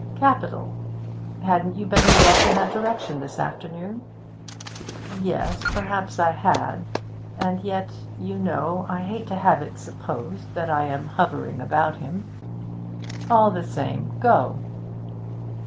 'Capital! Hadn't you better walk in that direction this afternoon?' 'Yes, perhaps I had, and yet, you know, I hate to have it supposed that I am hovering about him.' 'All the same, go.'